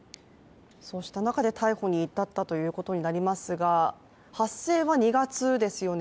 そうした中で逮捕に至ったということになりますが発生は２月ですよね。